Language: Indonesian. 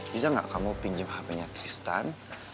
bisa gak kamu pinjem handphonenya tristan